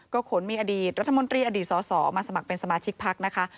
ขนมีอดีตรัฐมนตรีอดีตสอมาสมัครเป็นสมาชิกพักนะคะ